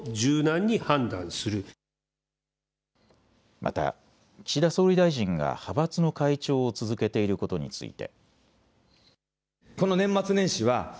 また岸田総理大臣が派閥の会長を続けていることについて。